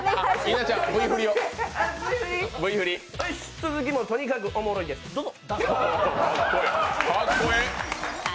続きもとにかくおもろいですどうぞ！